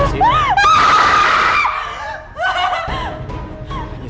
jessi kamu kenapa